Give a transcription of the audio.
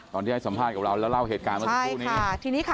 ตอนที่ให้สัมภาษณ์กับเราแล้วเล่าเหตุการณ์เมื่อสักครู่นี้ค่ะ